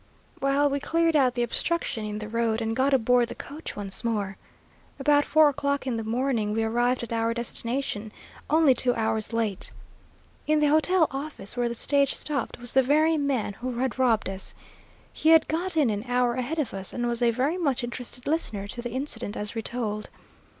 "Well, we cleared out the obstruction in the road, and got aboard the coach once more. About four o'clock in the morning we arrived at our destination, only two hours late. In the hotel office where the stage stopped was the very man who had robbed us. He had got in an hour ahead of us, and was a very much interested listener to the incident as retold.